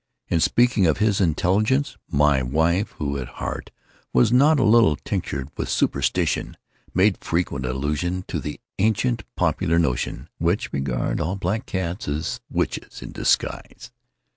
In speaking of his intelligence, my wife, who at heart was not a little tinctured with superstition, made frequent allusion to the ancient popular notion, which regarded all black cats as witches in disguise.